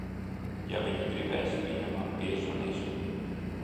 Ja viņa gribēs, viņa man piezvanīs.